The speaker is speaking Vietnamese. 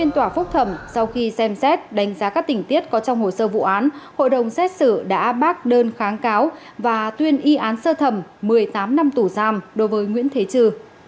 tòa phúc thẩm sau khi xem xét đánh giá các tình tiết có trong hồ sơ vụ án hội đồng xét xử đã bác đơn kháng cáo và tuyên y án sơ thẩm một mươi tám năm tù giam đối với nguyễn thế trừ